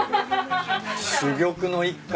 珠玉の一貫。